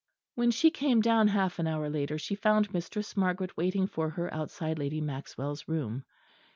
When she came down half an hour later she found Mistress Margaret waiting for her outside Lady Maxwell's room.